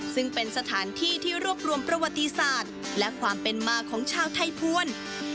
ซึ่งเป็นสถานที่ที่รวบรวมประวัติศาสตร์และความเป็นมาของชาวไทยภวร